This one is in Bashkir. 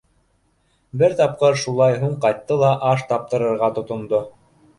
Бер тапҡыр шулай һуң ҡайтты ла, аш таптырырға тотондо.